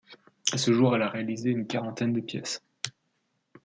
À ce jour, elle a réalisé une quarantaine de pièces.